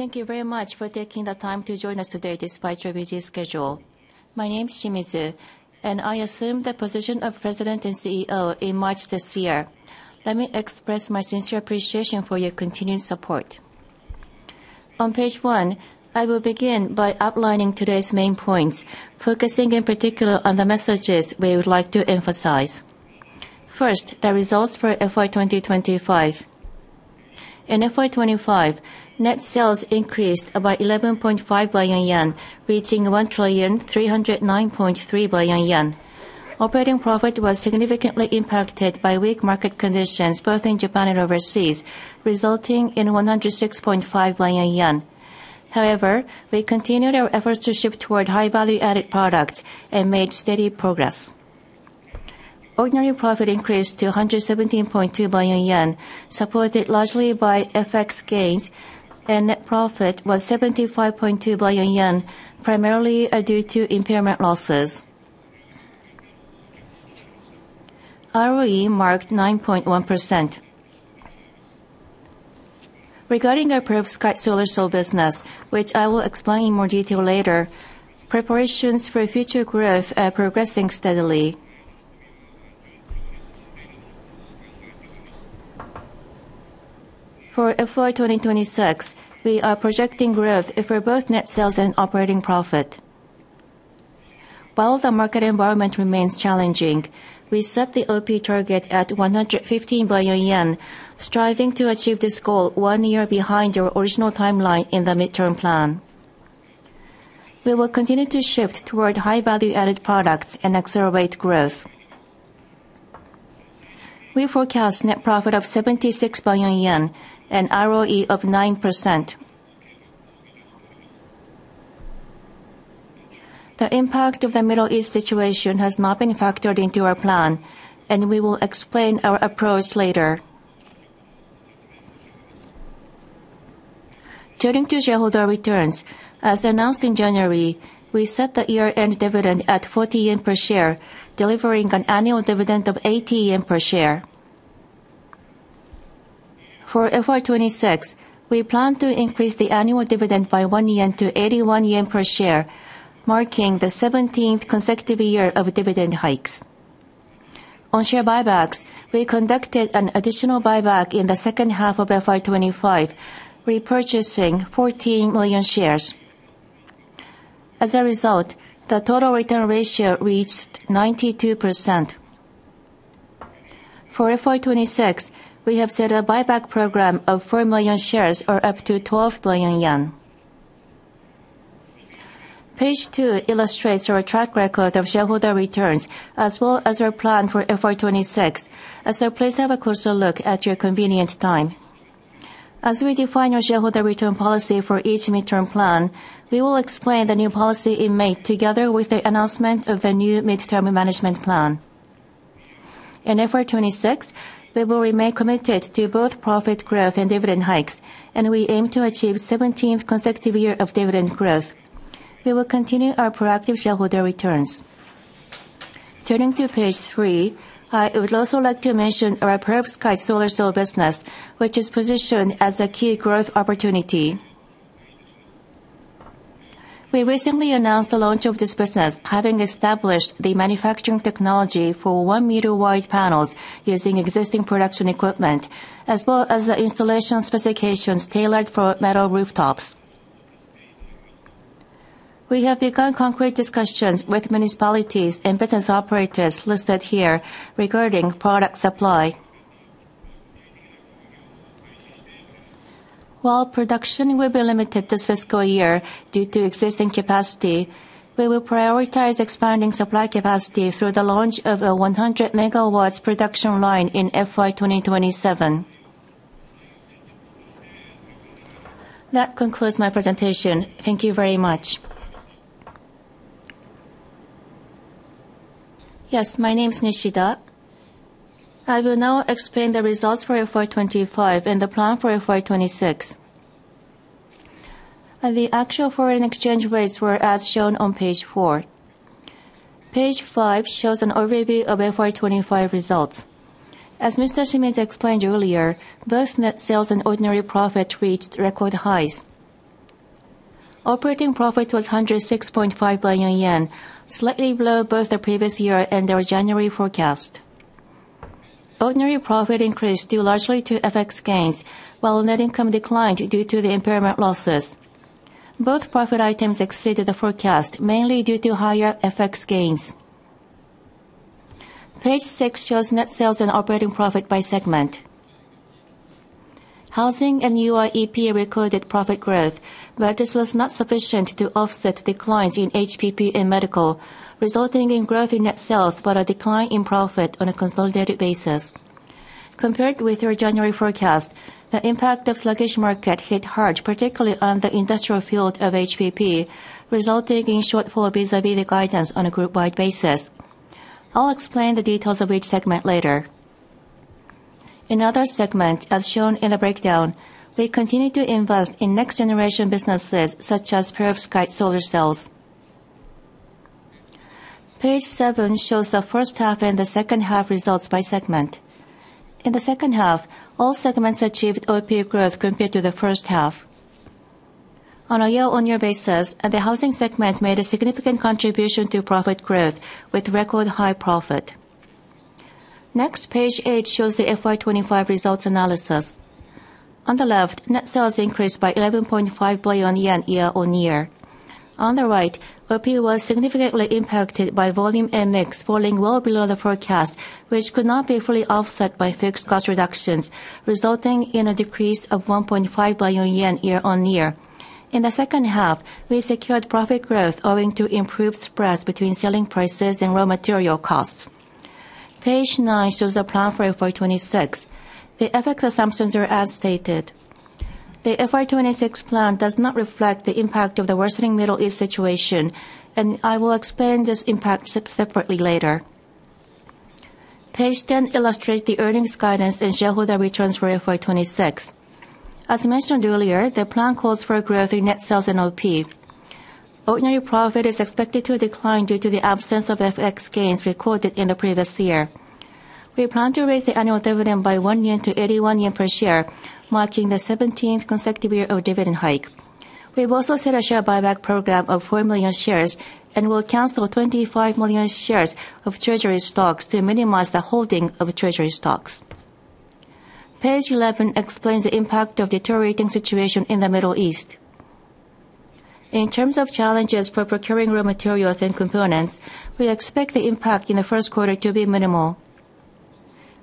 Thank you very much for taking the time to join us today despite your busy schedule. My name's Shimizu, and I assumed the position of President and CEO in March this year. Let me express my sincere appreciation for your continued support. On page one, I will begin by outlining today's main points, focusing in particular on the messages we would like to emphasize. First, the results for FY2025. In FY 2025, net sales increased by 11.5 billion yen, reaching 1,309.3 billion yen. Operating profit was significantly impacted by weak market conditions both in Japan and overseas, resulting in 106.5 billion yen. However, we continued our efforts to shift toward high value-added products and made steady progress. Ordinary profit increased to 117.2 billion yen, supported largely by FX gains, and net profit was 75.2 billion yen, primarily due to impairment losses. ROE marked 9.1%. Regarding our perovskite solar cell business, which I will explain in more detail later, preparations for future growth are progressing steadily. For FY2026, we are projecting growth for both net sales and operating profit. While the market environment remains challenging, we set the OP target at 115 billion yen, striving to achieve this goal one year behind our original timeline in the midterm plan. We will continue to shift toward high value-added products and accelerate growth. We forecast net profit of 76 billion yen and ROE of 9%. The impact of the Middle East situation has not been factored into our plan, and we will explain our approach later. Turning to shareholder returns, as announced in January, we set the year-end dividend at 40 yen per share, delivering an annual dividend of 80 yen per share. For FY 2026, we plan to increase the annual dividend by 1 yen to 81 yen per share, marking the 17th consecutive year of dividend hikes. On share buybacks, we conducted an additional buyback in the second half of FY 2025, repurchasing 14 million shares. As a result, the total return ratio reached 92%. For FY 2026, we have set a buyback program of 4 million shares or up to 12 billion yen. Page 2 illustrates our track record of shareholder returns as well as our plan for FY 2026. Please have a closer look at your convenient time. As we define our shareholder return policy for each midterm plan, we will explain the new policy in May together with the announcement of the new midterm management plan. In FY 2026, we will remain committed to both profit growth and dividend hikes, and we aim to achieve 17th consecutive year of dividend growth. We will continue our proactive shareholder returns. Turning to page 3, I would also like to mention our perovskite solar cell business, which is positioned as a key growth opportunity. We recently announced the launch of this business, having established the manufacturing technology for 1-meter wide panels using existing production equipment, as well as the installation specifications tailored for metal rooftops. We have begun concrete discussions with municipalities and business operators listed here regarding product supply. While production will be limited this fiscal year due to existing capacity, we will prioritize expanding supply capacity through the launch of a 100 MW production line in FY 2027. That concludes my presentation. Thank you very much. Yes, my name is Nishida. I will now explain the results for FY 2025 and the plan for FY 2026. The actual foreign exchange rates were as shown on page 4. Page 5 shows an overview of FY 2025 results. As Mr. Shimizu explained earlier, both net sales and ordinary profit reached record highs. Operating profit was 106.5 billion yen, slightly below both the previous year and our January forecast. Ordinary profit increased due largely to FX gains, while net income declined due to the impairment losses. Both profit items exceeded the forecast, mainly due to higher FX gains. Page 6 shows net sales and operating profit by segment. Housing and UIEP recorded profit growth, but this was not sufficient to offset declines in HPP and medical, resulting in growth in net sales but a decline in profit on a consolidated basis. Compared with our January forecast, the impact of sluggish market hit hard, particularly on the industrial field of HPP, resulting in shortfall vis-a-vis guidance on a group-wide basis. I'll explain the details of each segment later. In other segment, as shown in the breakdown, we continue to invest in next-generation businesses such as perovskite solar cells. Page 7 shows the first half and the second half results by segment. In the second half, all segments achieved OP growth compared to the first half. On a year-on-year basis, the housing segment made a significant contribution to profit growth with record high profit. Next, page 8 shows the FY 2025 results analysis. On the left, net sales increased by 11.5 billion yen year-on-year. On the right, OP was significantly impacted by volume and mix falling well below the forecast, which could not be fully offset by fixed cost reductions, resulting in a decrease of 1.5 billion yen year-on-year. In the second half, we secured profit growth owing to improved spreads between selling prices and raw material costs. Page 9 shows the plan for FY 2026. The FX assumptions are as stated. The FY 2026 plan does not reflect the impact of the worsening Middle East situation. I will explain this impact separately later. Page 10 illustrate the earnings guidance and shareholder returns for FY 2026. As mentioned earlier, the plan calls for a growth in net sales and OP. Ordinary profit is expected to decline due to the absence of FX gains recorded in the previous year. We plan to raise the annual dividend by 1 yen to 81 yen per share, marking the seventeenth consecutive year of dividend hike. We've also set a share buyback program of 4 million shares and will cancel 25 million shares of treasury stocks to minimize the holding of treasury stocks. Page 11 explains the impact of deteriorating situation in the Middle East. In terms of challenges for procuring raw materials and components, we expect the impact in the first quarter to be minimal.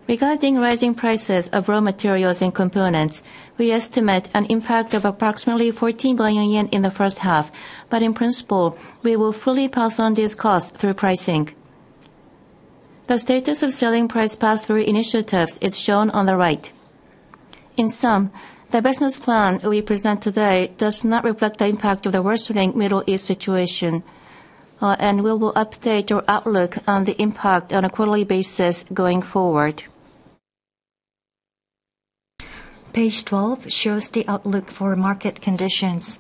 Regarding rising prices of raw materials and components, we estimate an impact of approximately 14 billion yen in the first half. In principle, we will fully pass on these costs through pricing. The status of selling price pass-through initiatives is shown on the right. In sum, the business plan we present today does not reflect the impact of the worsening Middle East situation. We will update our outlook on the impact on a quarterly basis going forward. Page 12 shows the outlook for market conditions.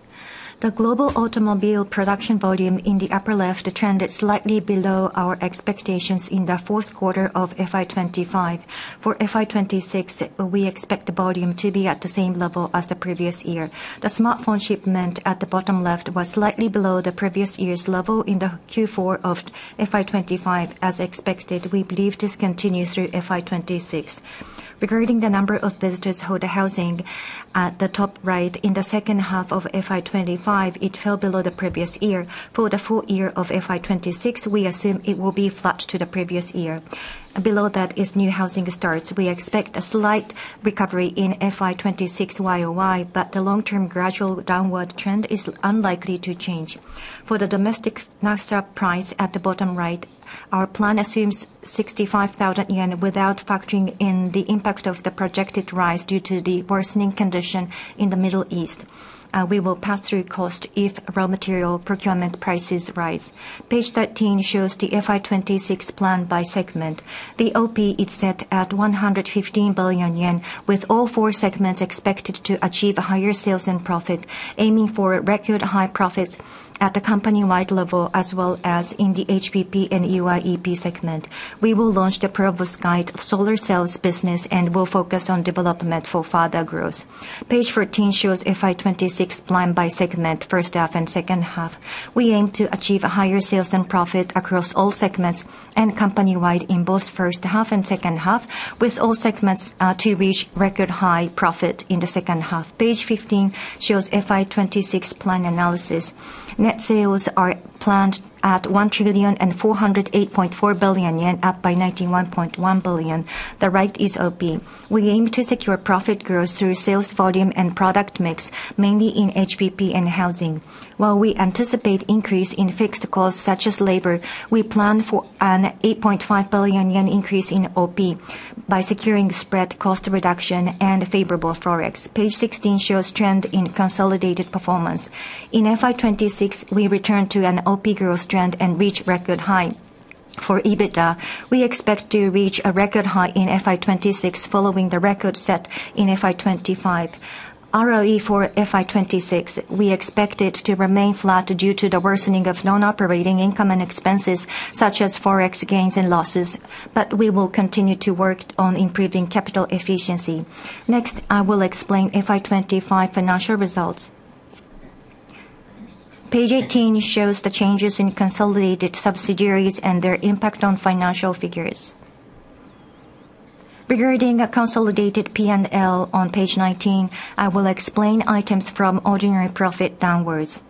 The global automobile production volume in the upper left trended slightly below our expectations in the fourth quarter of FY 2025. For FY 2026, we expect the volume to be at the same level as the previous year. The smartphone shipment at the bottom left was slightly below the previous year's level in the Q4 of FY 2025 as expected. We believe this continues through FY 2026. Regarding the number of visitors to the housing at the top right, in the second half of FY 2025, it fell below the previous year. For the full year of FY 2026, we assume it will be flat to the previous year. Below that is new housing starts. We expect a slight recovery in FY 2026 Y-o-Y, but the long-term gradual downward trend is unlikely to change. For the domestic naphtha price at the bottom right, our plan assumes 65,000 yen without factoring in the impact of the projected rise due to the worsening condition in the Middle East. We will pass through cost if raw material procurement prices rise. Page 13 shows the FY 2026 plan by segment. The OP is set at 115 billion yen, with all four segments expected to achieve higher sales and profit, aiming for record high profits at the company-wide level as well as in the HPP and UIEP segment. We will launch the perovskite solar cells business and will focus on development for further growth. Page 14 shows FY 2026 plan by segment, first half and second half. We aim to achieve higher sales and profit across all segments and company-wide in both first half and second half, with all segments to reach record high profit in the second half. Page 15 shows FY 2026 plan analysis. Net sales are planned at 1,408.4 billion yen, up by 91.1 billion. The right is OP. We aim to secure profit growth through sales volume and product mix, mainly in HPP and housing. While we anticipate increase in fixed costs such as labor, we plan for an 8.5 billion yen increase in OP by securing the spread cost reduction and favorable forex. Page 16 shows trend in consolidated performance. In FY 2026, we return to an OP growth trend and reach record high. For EBITDA, we expect to reach a record high in FY 2026 following the record set in FY 2025. ROE for FY 2026, we expect it to remain flat due to the worsening of non-operating income and expenses such as forex gains and losses, but we will continue to work on improving capital efficiency. Next, I will explain FY 2025 financial results. Page 18 shows the changes in consolidated subsidiaries and their impact on financial figures. Regarding a consolidated P&L on page 19, I will explain items from ordinary profit downwards.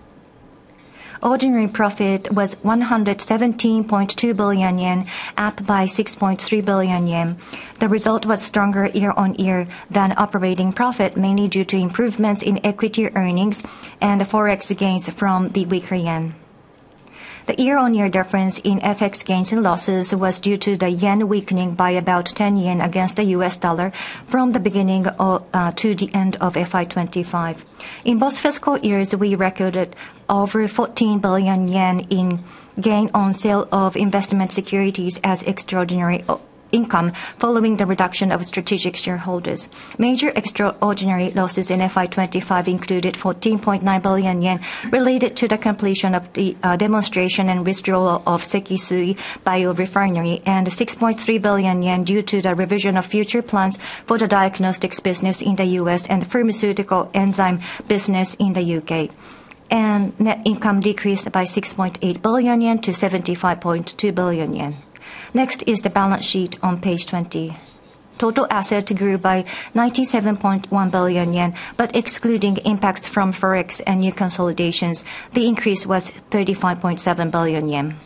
Ordinary profit was 117.2 billion yen, up by 6.3 billion yen. The result was stronger year-on-year than operating profit, mainly due to improvements in equity earnings and forex gains from the weaker yen. The year-on-year difference in FX gains and losses was due to the yen weakening by about 10 yen against the U.S., dollar from the beginning to the end of FY 2025. In both fiscal years, we recorded over 14 billion yen in gain on sale of investment securities as extraordinary income following the reduction of strategic shareholders. Major extraordinary losses in FY 2025 included 14.9 billion yen related to the completion of the demonstration and withdrawal of Sekisui Bio Refinery, and 6.3 billion yen due to the revision of future plans for the diagnostics business in the U.S., and the pharmaceutical enzyme business in the U.K. Net income decreased by 6.8 billion yen to 75.2 billion yen. Next is the balance sheet on page 20. Total asset grew by 97.1 billion yen, but excluding impacts from FX and new consolidations, the increase was 35.7 billion yen.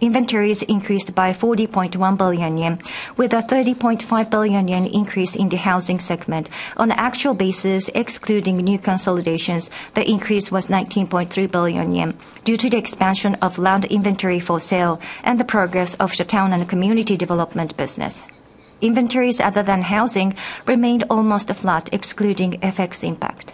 Inventories increased by 40.1 billion yen, with a 30.5 billion yen increase in the housing segment. On actual basis, excluding new consolidations, the increase was 19.3 billion yen due to the expansion of land inventory for sale and the progress of the town and community development business. Inventories other than housing remained almost flat, excluding FX impact.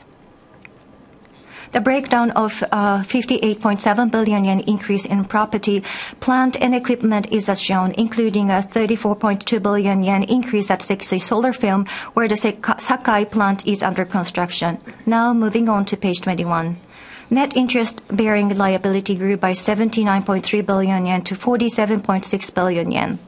The breakdown of 58.7 billion yen increase in property, plant and equipment is as shown, including a 34.2 billion yen increase at Sekisui Solar Film, where the Sakai plant is under construction. Now moving on to page 21. Net interest-bearing liability grew by 79.3 billion yen to 47.6 billion yen.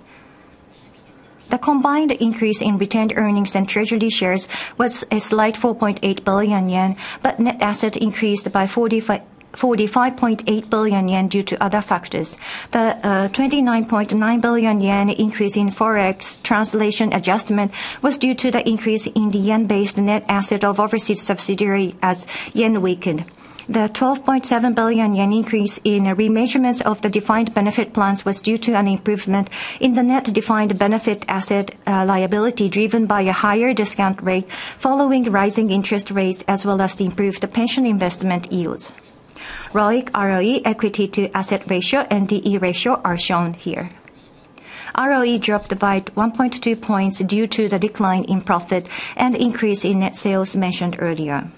The combined increase in retained earnings and treasury shares was a slight 4.8 billion yen, but net asset increased by 45.8 billion yen due to other factors. The 29.9 billion yen increase in FX translation adjustment was due to the increase in the yen-based net asset of overseas subsidiary as yen weakened. The 12.7 billion yen increase in remeasurements of the defined benefit plans was due to an improvement in the net defined benefit asset liability driven by a higher discount rate following rising interest rates as well as the improved pension investment yields. ROIC, ROE, equity to asset ratio and D/E ratio are shown here. ROE dropped by 1.2 points due to the decline in profit and increase in net sales mentioned earlier.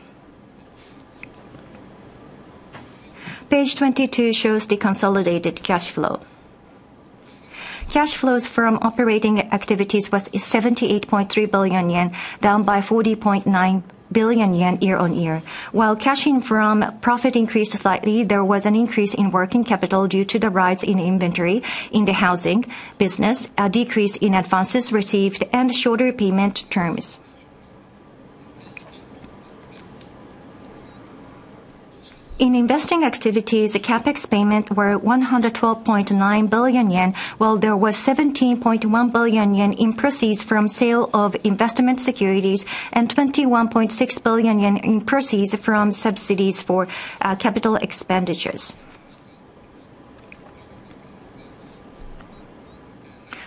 Page 22 shows the consolidated cash flow. Cash flows from operating activities was 78.3 billion yen, down by 40.9 billion yen year-on-year. While cash in from profit increased slightly, there was an increase in working capital due to the rise in inventory in the Housing Company, a decrease in advances received and shorter payment terms. In investing activities, the CapEx payment were 112.9 billion yen, while there was 17.1 billion yen in proceeds from sale of investment securities and 21.6 billion yen in proceeds from subsidies for capital expenditures.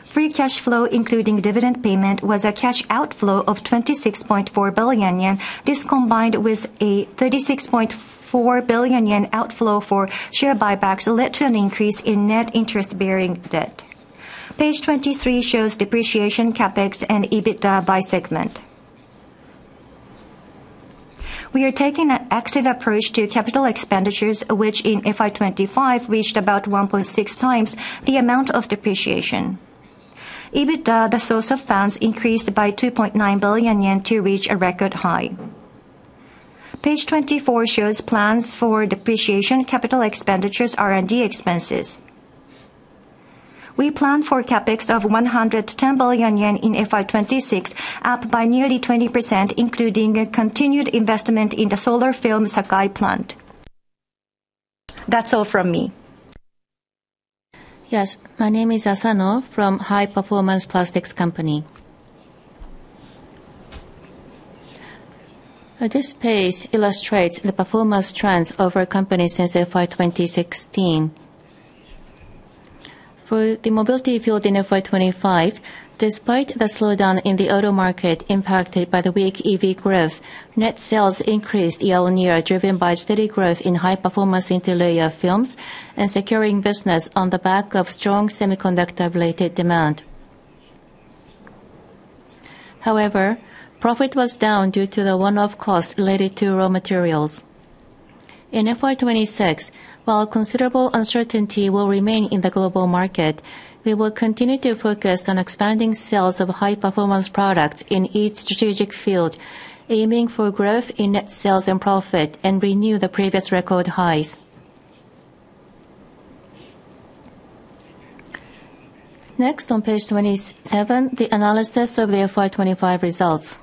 Free cash flow, including dividend payment, was a cash outflow of 26.4 billion yen. This combined with a 36.4 billion yen outflow for share buybacks led to an increase in net interest-bearing debt. Page 23 shows depreciation CapEx and EBITDA by segment. We are taking an active approach to capital expenditures, which in FY 2025 reached about 1.6 times the amount of depreciation. EBITDA, the source of funds, increased by 2.9 billion yen to reach a record high. Page 24 shows plans for depreciation capital expenditures R&D expenses. We plan for CapEx of 110 billion yen in FY 2026, up by nearly 20%, including a continued investment in the Solar Film Sakai plant. That's all from me. My name is Asano from High Performance Plastics Company. This page illustrates the performance trends of our company since FY 2016. For the mobility field in FY 2025, despite the slowdown in the auto market impacted by the weak EV growth, net sales increased year-on-year, driven by steady growth in high-performance interlayer films and securing business on the back of strong semiconductor-related demand. However, profit was down due to the one-off costs related to raw materials. In FY 2026, while considerable uncertainty will remain in the global market, we will continue to focus on expanding sales of high-performance products in each strategic field, aiming for growth in net sales and profit and renew the previous record highs. Next, on page 27, the analysis of the FY 2025 results.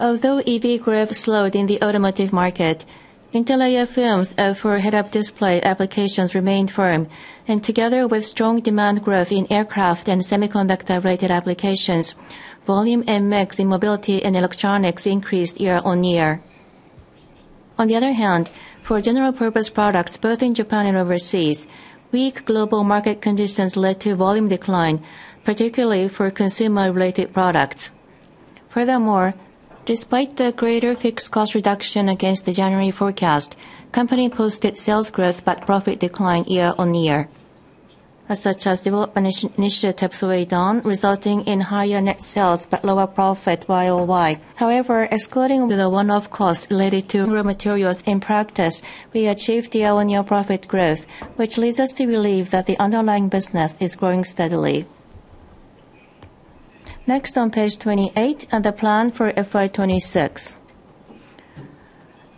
Although EV growth slowed in the automotive market, interlayer films for head-up display applications remained firm. Together with strong demand growth in aircraft and semiconductor related applications, volume and mix in mobility and electronics increased year-on-year. On the other hand, for general purpose products, both in Japan and overseas, weak global market conditions led to volume decline, particularly for consumer related products. Furthermore, despite the greater fixed cost reduction against the January forecast, company posted sales growth but profit decline year-on-year. Such as development initiatives weighed on, resulting in higher net sales but lower profit year-on-year. However, excluding the one-off cost related to raw materials in practice, we achieved the annual profit growth, which leads us to believe that the underlying business is growing steadily. Next, on page 28 are the plan for FY 2026.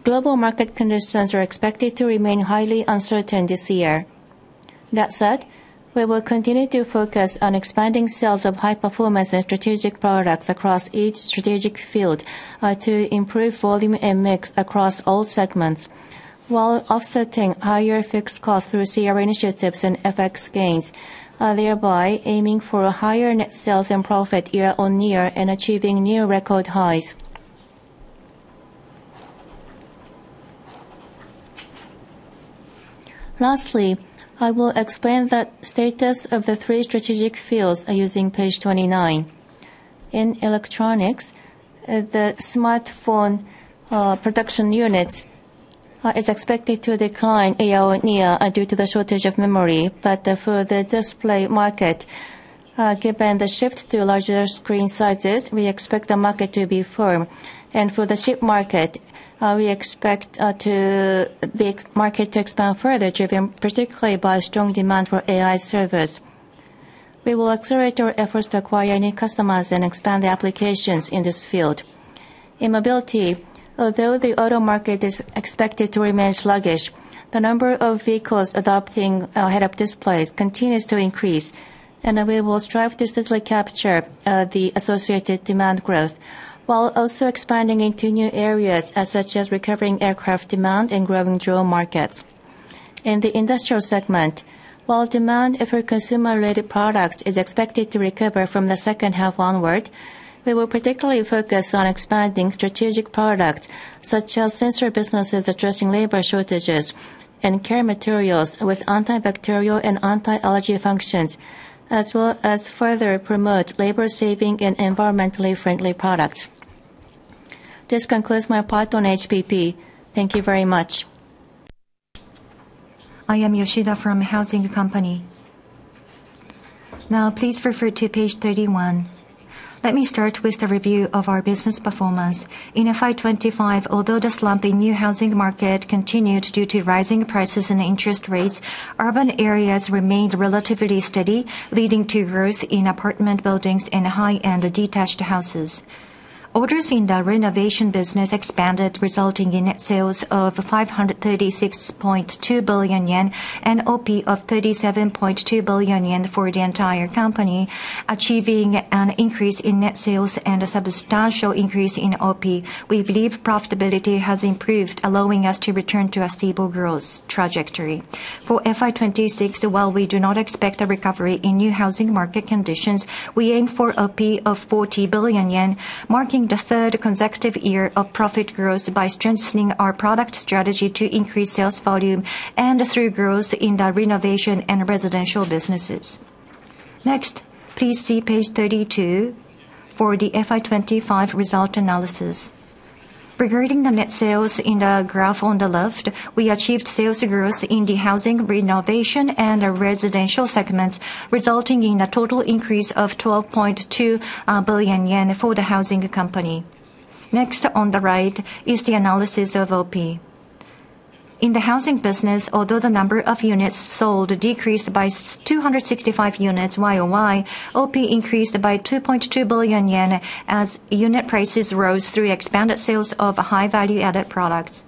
Global market conditions are expected to remain highly uncertain this year. That said, we will continue to focus on expanding sales of high performance and strategic products across each strategic field, to improve volume and mix across all segments, while offsetting higher fixed costs through CR initiatives and FX gains, thereby aiming for a higher net sales and profit year-on-year and achieving new record highs. Lastly, I will explain the status of the three strategic fields, using page 29. In electronics, the smartphone production units is expected to decline year-on-year due to the shortage of memory. For the display market, given the shift to larger screen sizes, we expect the market to be firm. For the chip market, we expect the market to expand further, driven particularly by strong demand for AI servers. We will accelerate our efforts to acquire new customers and expand the applications in this field. In mobility, although the auto market is expected to remain sluggish, the number of vehicles adopting head-up displays continues to increase, and we will strive to swiftly capture the associated demand growth, while also expanding into new areas, such as recovering aircraft demand and growing drone markets. In the industrial segment, while demand for consumer-related products is expected to recover from the second half onward, we will particularly focus on expanding strategic products, such as sensor businesses addressing labor shortages and care materials with antibacterial and anti-allergy functions, as well as further promote labor-saving and environmentally friendly products. This concludes my part on HPP. Thank you very much. I am Yoshida from Housing Company. Now please refer to page 31. Let me start with the review of our business performance. In FY 2025, although the slump in new housing market continued due to rising prices and interest rates, urban areas remained relatively steady, leading to growth in apartment buildings and high-end detached houses. Orders in the renovation business expanded, resulting in net sales of 536.2 billion yen and OP of 37.2 billion yen for the entire company, achieving an increase in net sales and a substantial increase in OP. We believe profitability has improved, allowing us to return to a stable growth trajectory. For FY 2026, while we do not expect a recovery in new housing market conditions, we aim for OP of 40 billion yen, marking the third consecutive year of profit growth by strengthening our product strategy to increase sales volume and through growth in the renovation and residential businesses. Next, please see page 32 for the FY 2025 result analysis. Regarding the net sales in the graph on the left, we achieved sales growth in the housing renovation and residential segments, resulting in a total increase of 12.2 billion yen for the Housing Company. Next, on the right, is the analysis of OP. In the housing business, although the number of units sold decreased by 265 units YOY, OP increased by 2.2 billion yen as unit prices rose through expanded sales of high value-added products.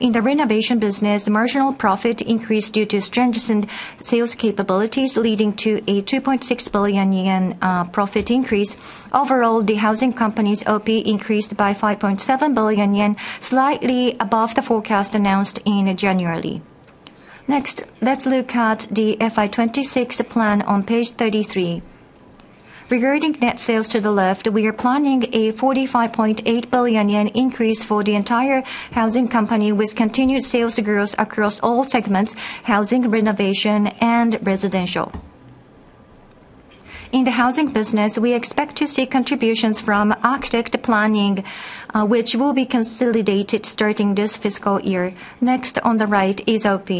In the renovation business, marginal profit increased due to strengthened sales capabilities, leading to a 2.6 billion yen profit increase. Overall, the Housing Company's OP increased by 5.7 billion yen, slightly above the forecast announced in January. Next, let's look at the FY 2026 plan on page 33. Regarding net sales to the left, we are planning a 45.8 billion yen increase for the entire Housing Company with continued sales growth across all segments, housing renovation and residential. In the housing business, we expect to see contributions from ARCHITECT-PLANNING, which will be consolidated starting this fiscal year. Next, on the right, is OP.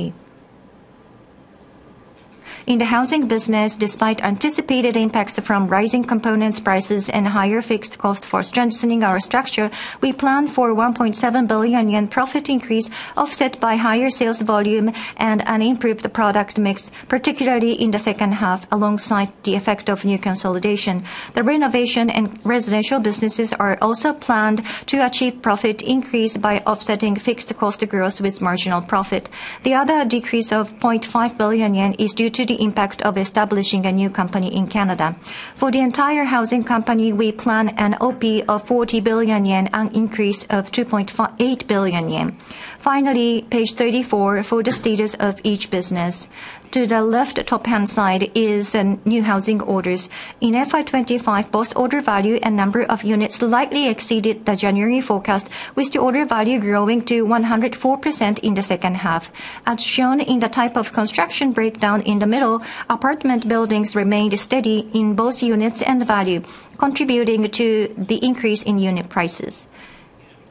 In the Housing Company, despite anticipated impacts from rising components prices and higher fixed cost for strengthening our structure, we plan for 1.7 billion yen profit increase offset by higher sales volume and an improved product mix, particularly in the second half, alongside the effect of new consolidation. The renovation and residential businesses are also planned to achieve profit increase by offsetting fixed cost growth with marginal profit. The other decrease of 0.5 billion yen is due to the impact of establishing a new company in Canada. For the entire Housing Company, we plan an OP of 40 billion yen, an increase of 2.8 billion yen. Finally, page 34, for the status of each business. To the left top-hand side is new housing orders. In FY 2025, both order value and number of units slightly exceeded the January forecast, with the order value growing to 104% in the second half. As shown in the type of construction breakdown in the middle, apartment buildings remained steady in both units and value, contributing to the increase in unit prices.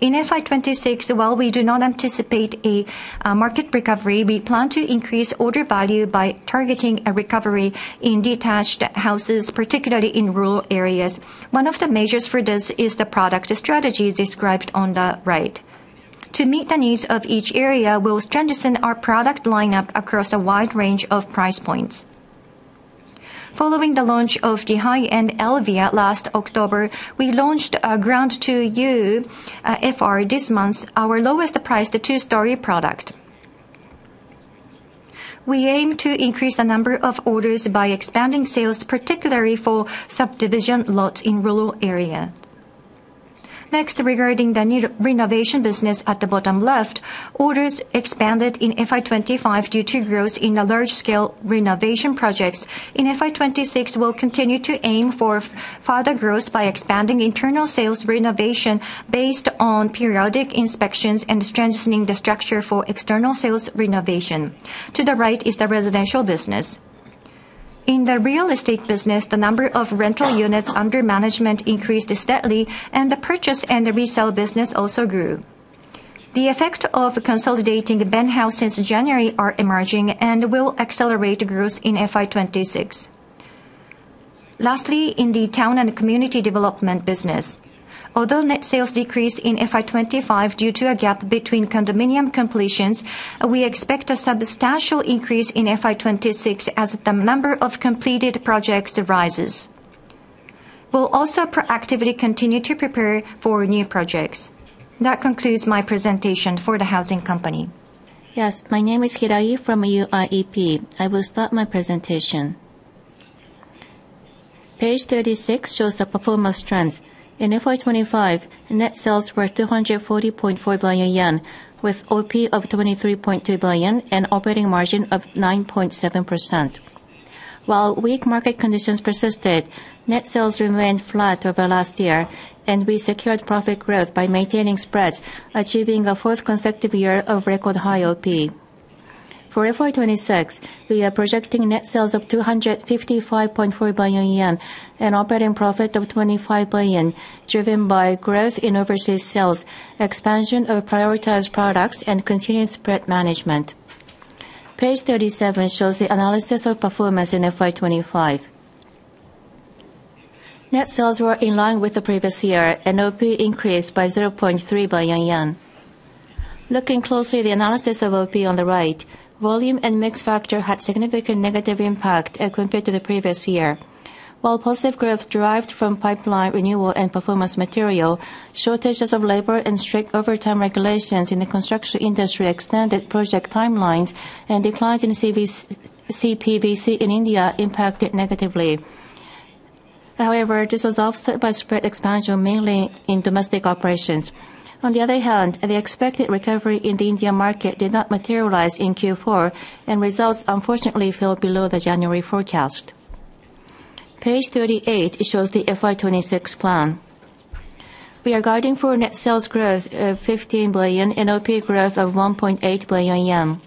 In FY 2026, while we do not anticipate a market recovery, we plan to increase order value by targeting a recovery in detached houses, particularly in rural areas. One of the measures for this is the product strategy described on the right. To meet the needs of each area, we'll strengthen our product lineup across a wide range of price points. Following the launch of the high-end Elvia last October, we launched our Grand ToU FR this month, our lowest priced two-story product. We aim to increase the number of orders by expanding sales, particularly for subdivision lots in rural area. Next, regarding the new renovation business at the bottom left, orders expanded in FY 2025 due to growth in the large-scale renovation projects. In FY 2026, we'll continue to aim for further growth by expanding internal sales renovation based on periodic inspections and strengthening the structure for external sales renovation. To the right is the residential business. In the real estate business, the number of rental units under management increased steadily, and the purchase and the resale business also grew. The effect of consolidating the Benhouse since January are emerging and will accelerate growth in FY 2026. Lastly, in the town and community development business, although net sales decreased in FY 2025 due to a gap between condominium completions, we expect a substantial increase in FY 2026 as the number of completed projects rises. We'll also proactively continue to prepare for new projects. That concludes my presentation for the Housing Company. Yes. My name is Hirai from UIEP. I will start my presentation. Page 36 shows the performance trends. In FY 2025, net sales were 240.4 billion yen, with OP of 23.2 billion, and operating margin of 9.7%. While weak market conditions persisted, net sales remained flat over last year, and we secured profit growth by maintaining spreads, achieving a fourth consecutive year of record high OP. For FY 2026, we are projecting net sales of 255.4 billion yen, an operating profit of 25 billion, driven by growth in overseas sales, expansion of prioritized products, and continued spread management. Page 37 shows the analysis of performance in FY 2025. Net sales were in line with the previous year, and OP increased by 0.3 billion yen. Looking closely, the analysis of OP on the right, volume and mix factor had significant negative impact compared to the previous year. While positive growth derived from pipeline renewal and performance material, shortages of labor and strict overtime regulations in the construction industry extended project timelines, and declines in CPVC in India impacted negatively. This was offset by spread expansion mainly in domestic operations. The expected recovery in the India market did not materialize in Q4, and results unfortunately fell below the January forecast. Page 38 shows the FY 2026 plan. We are guiding for net sales growth of 15 billion and OP growth of 1.8 billion yen.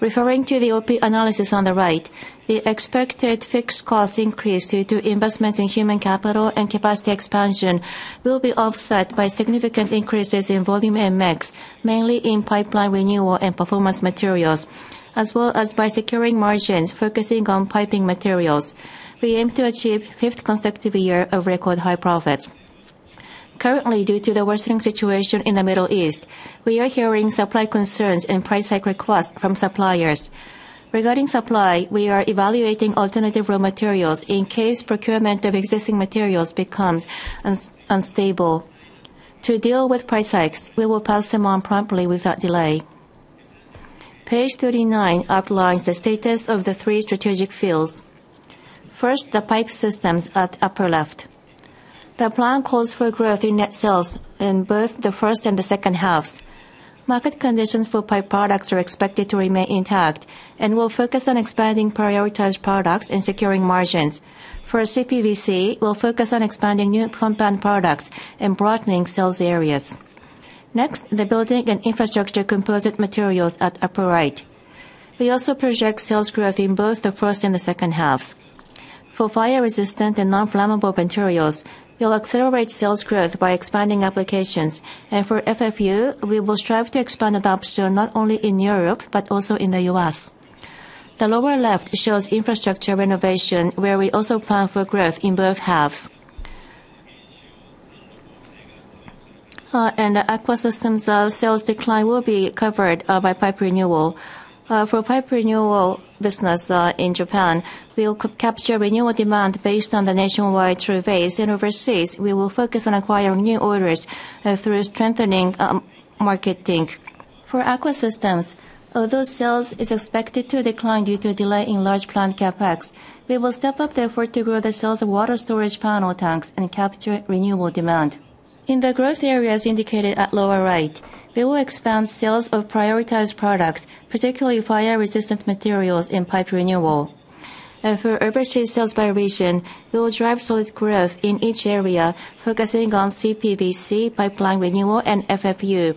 Referring to the OP analysis on the right, the expected fixed cost increase due to investments in human capital and capacity expansion will be offset by significant increases in volume and mix, mainly in pipeline renewal and performance materials, as well as by securing margins focusing on piping materials. We aim to achieve fifth consecutive year of record high profits. Currently, due to the worsening situation in the Middle East, we are hearing supply concerns and price hike requests from suppliers. Regarding supply, we are evaluating alternative raw materials in case procurement of existing materials becomes unstable. To deal with price hikes, we will pass them on promptly without delay. Page 39 outlines the status of the three strategic fields. First, the pipe systems at upper left. The plan calls for growth in net sales in both the first and the second halves. Market conditions for pipe products are expected to remain intact, and we'll focus on expanding prioritized products and securing margins. For CPVC, we'll focus on expanding new compound products and broadening sales areas. The building and infrastructure composite materials at upper right. We also project sales growth in both the first and the second halves. For fire-resistant and non-flammable materials, we'll accelerate sales growth by expanding applications. For FFU, we will strive to expand adoption not only in Europe but also in the U.S. The lower left shows infrastructure renovation, where we also plan for growth in both halves. Aqua systems sales decline will be covered by pipe renewal. For pipe renewal business in Japan, we'll capture renewal demand based on the nationwide surveys. Overseas, we will focus on acquiring new orders through strengthening marketing. For Aqua Systems, although sales is expected to decline due to a delay in large plant CapEx, we will step up the effort to grow the sales of water storage panel tanks and capture renewable demand. In the growth areas indicated at lower right, we will expand sales of prioritized products, particularly fire-resistant materials in pipe renewal. For overseas sales by region, we will drive solid growth in each area, focusing on CPVC, pipeline renewal, and FFU.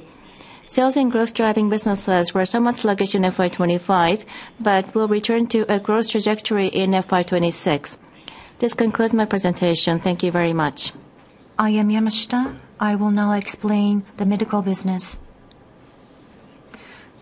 Sales in growth driving businesses were somewhat sluggish in FY 2025, but will return to a growth trajectory in FY 2025. This concludes my presentation. Thank you very much. I am Yamashita. I will now explain the medical business.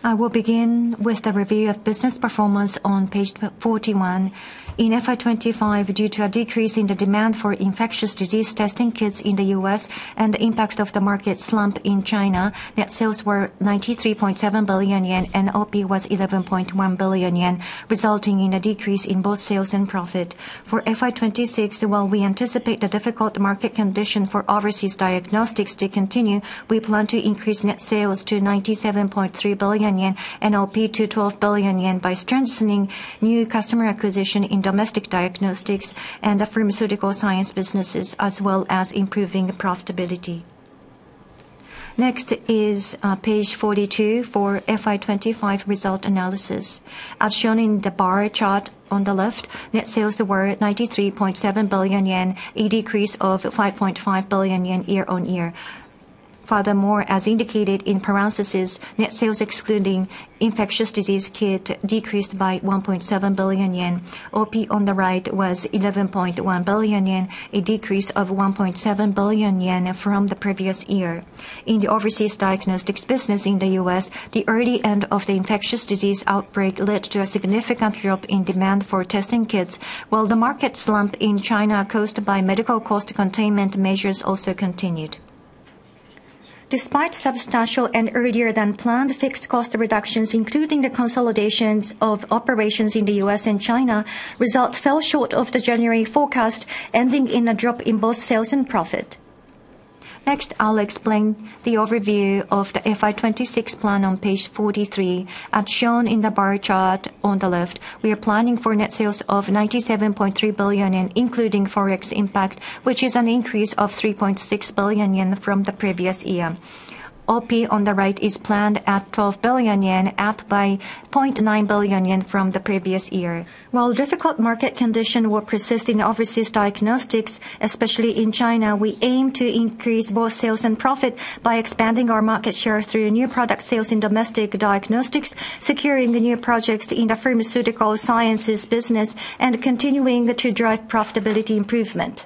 I will begin with the review of business performance on page 41. In FY 2025, due to a decrease in the demand for infectious disease testing kits in the U.S., and the impact of the market slump in China, net sales were 93.7 billion yen and OP was 11.1 billion yen, resulting in a decrease in both sales and profit. For FY 2026, while we anticipate the difficult market condition for overseas diagnostics to continue, we plan to increase net sales to 97.3 billion yen and OP to 12 billion yen by strengthening new customer acquisition in domestic diagnostics and the pharmaceutical sciences businesses, as well as improving profitability. Next is page 42 for FY 2025 result analysis. As shown in the bar chart on the left, net sales were 93.7 billion yen, a decrease of 5.5 billion yen year-on-year. Furthermore, as indicated in parentheses, net sales excluding infectious disease kit decreased by 1.7 billion yen. OP on the right was 11.1 billion yen, a decrease of 1.7 billion yen from the previous year. In the overseas diagnostics business in the U.S., the early end of the infectious disease outbreak led to a significant drop in demand for testing kits while the market slump in China caused by medical cost containment measures also continued. Despite substantial and earlier than planned fixed cost reductions, including the consolidations of operations in the U.S., and China, results fell short of the January forecast, ending in a drop in both sales and profit. Next, I'll explain the overview of the FY2026 plan on page 43. As shown in the bar chart on the left, we are planning for net sales of 97.3 billion yen, including FX impact, which is an increase of 3.6 billion yen from the previous year. OP on the right is planned at 12 billion yen, up by 0.9 billion yen from the previous year. While difficult market condition will persist in overseas diagnostics, especially in China, we aim to increase both sales and profit by expanding our market share through new product sales in domestic diagnostics, securing the new projects in the pharmaceutical sciences business, and continuing to drive profitability improvement.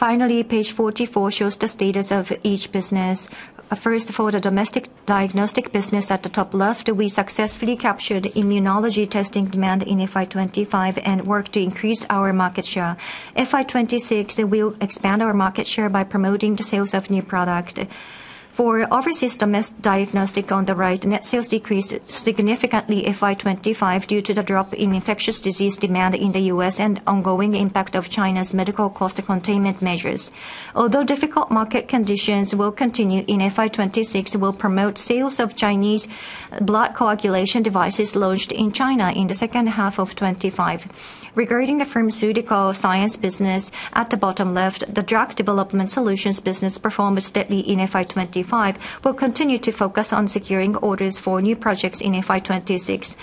Finally, page 44 shows the status of each business. First, for the domestic diagnostic business at the top left, we successfully captured immunology testing demand in FY 2025 and worked to increase our market share. FY 2026, we'll expand our market share by promoting the sales of new product. For overseas domestic diagnostic on the right, net sales decreased significantly FY 2025 due to the drop in infectious disease demand in the U.S., and ongoing impact of China's medical cost containment measures. Although difficult market conditions will continue in FY 2026, we'll promote sales of Chinese blood coagulation analyzers launched in China in the second half of 2025. Regarding the pharmaceutical sciences business at the bottom left, the drug development solutions business performed steadily in FY 2025. We'll continue to focus on securing orders for new projects in FY 2026.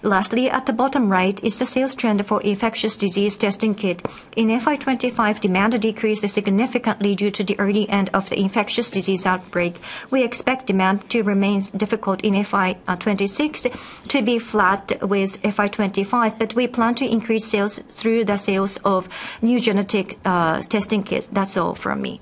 Lastly, at the bottom right is the sales trend for infectious disease testing kits. In FY 2025, demand decreased significantly due to the early end of the infectious disease outbreak. We expect demand to remain difficult in FY 2026 to be flat with FY 2025, but we plan to increase sales through the sales of new genetic testing kits. That's all from me.